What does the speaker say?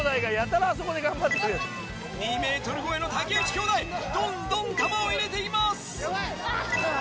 ２ｍ超えの竹内兄弟どんどん玉を入れています！